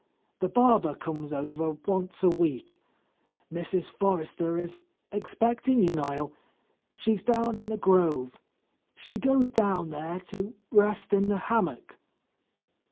The barber comes over once a week. Mrs. Forrester is expecting you, Niel. She's down in the grove. She goes down there to rest in the hammock."